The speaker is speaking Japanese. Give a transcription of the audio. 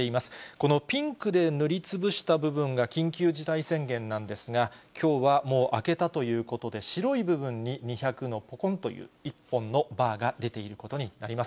このピンクで塗りつぶした部分が緊急事態宣言なんですが、きょうはもう明けたということで、白い部分に２００の、ぽこんという、１本のバーが出ているということになります。